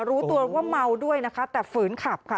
รู้ตัวว่าเมาด้วยนะคะแต่ฝืนขับค่ะ